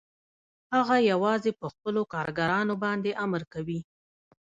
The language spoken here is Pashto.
هغه یوازې په خپلو کارګرانو باندې امر کوي